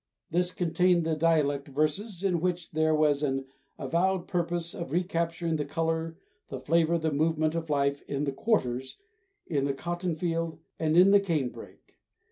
This contained the dialect verses in which there was an avowed purpose of recapturing the color, the flavor, the movement of life in "the quarters," in the cotton field and in the canebrake.